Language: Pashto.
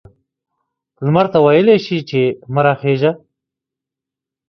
لمر ته ویلای شي چې مه را خیژه؟